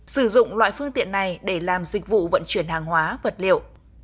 sử dụng loại phương tiện này để làm dịch vụ vận chuyển hàng hóa vật liệu